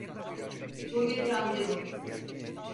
Bu bir randevu.